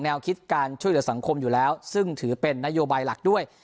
คิดการช่วยเหลือสังคมอยู่แล้วซึ่งถือเป็นนโยบายหลักด้วย